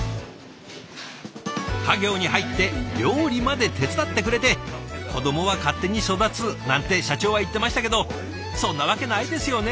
家業に入って料理まで手伝ってくれて「子どもは勝手に育つ」なんて社長は言ってましたけどそんなわけないですよね？